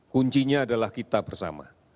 kuncinya adalah kita bersama